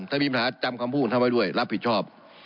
ถ้ามีปัญหาจำคำพูดของเขาไว้ด้วยรับผิดชอบ